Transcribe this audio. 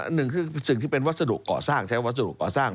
หนึ่งคือสิ่งที่เป็นวัสดุก่อสร้างใช้วัสดุก่อสร้าง